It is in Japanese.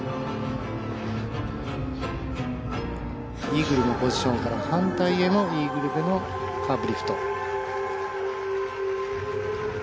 イーグルのポジションから反対へのイーグルでのカーブリフト。